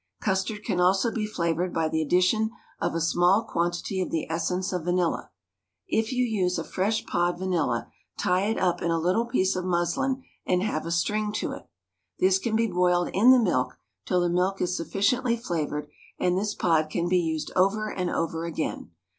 Custard can also be flavoured by the addition of a small quantity of the essence of vanilla; if you use a fresh pod vanilla, tie it up in a little piece of muslin and have a string to it. This can be boiled in the milk till the milk is sufficiently flavoured, and this pod can be used over and over again.